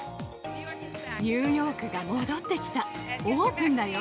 ニューヨークが戻ってきた、オープンだよ。